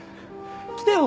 来てよ